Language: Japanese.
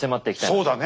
そうだね。